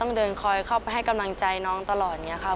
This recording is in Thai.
เดินคอยเข้าไปให้กำลังใจน้องตลอดอย่างนี้ค่ะ